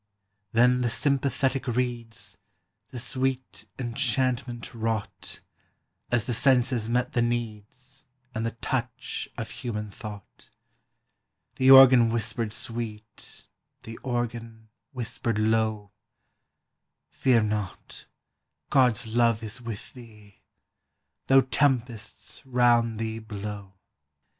12" Then the sympathetic reeds The sweet enchantment wrought, As the senses met the needs And the touch of human thought. The organ whispered sweet, The organ whispered low, " Fear not, God's love is with thee, Though tempests round thee blow !